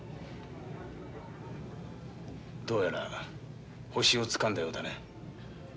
どうやら星をつかんだようだね。